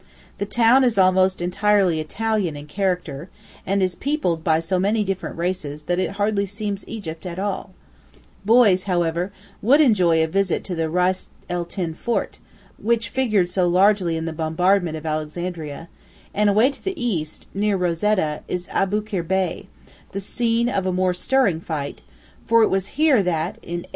The town is almost entirely Italian in character, and is peopled by so many different races that it hardly seems Egypt at all; boys, however, would enjoy a visit to the Ras el Tīn Fort, which figured so largely in the bombardment of Alexandria, and away to the east, near Rosetta, is Aboukīr Bay, the scene of a more stirring fight, for it was here that, in A.